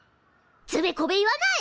つべこべ言わない！